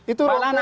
itu ruang publik